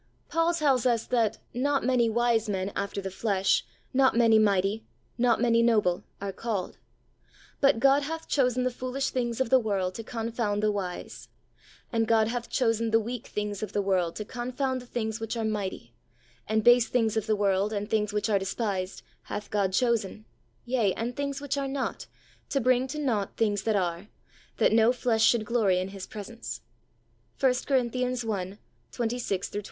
Paul tells us "that not many wise men after the flesh, not many mighty, not many noble, are called. But God hath chosen the foolish things of the world to confound the wise ; and God hath chosen the weak things of the world to confound the things which are mighty ; and base things of the world, and things which are despised, hath God chosen, yea, and things which are not, to bring to nought things that are, that no flesh should glory in His presence" (i Cor. i. 26 29).